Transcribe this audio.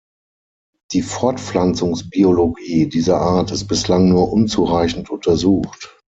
Die Fortpflanzungsbiologie dieser Art ist bislang nur unzureichend untersucht.